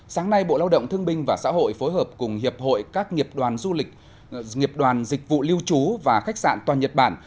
sáng nay bộ lao động thương minh và xã hội phối hợp cùng hiệp hội các nghiệp đoàn dịch vụ lưu trú và khách sạn toàn nhật bản